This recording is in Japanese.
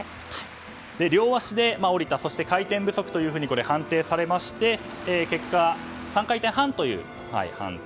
両足で降りたそして、回転不足として判定されまして結果、３回転半という判定。